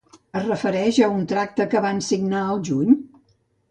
Es refereix a un tracte que van signar al juny?